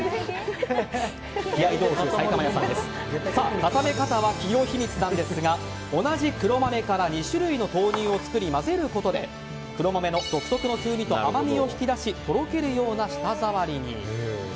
固め方は企業秘密なんですが同じ黒豆から２種類の豆乳を作り混ぜることで、黒豆の独特の風味と甘みを引き出しとろけるような舌触りに。